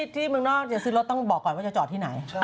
ที่เมืองนอกจะซื้อรถต้องบอกก่อนว่าจะจอดที่ไหน